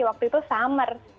waktu itu summer